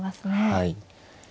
はい。